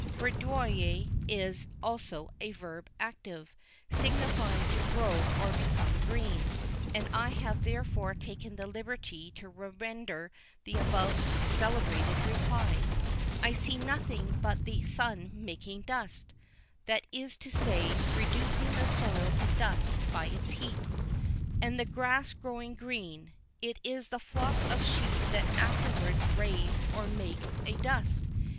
Verdoyer is also a verb active, signifying to grow or become green, and I have therefore taken the liberty to render the above celebrated reply, "I see nothing but the sun making dust" (that is to say, reducing the soil to dust by its heat), "and the grass growing green." It is the flock of sheep that afterwards raise or make a dust.